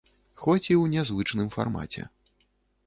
Хоць і ў нязвычным фармаце.